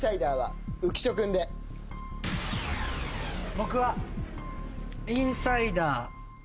僕はインサイダー。